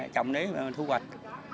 trồng để thu hoạch